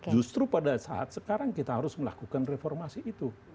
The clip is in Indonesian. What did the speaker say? justru pada saat sekarang kita harus melakukan reformasi itu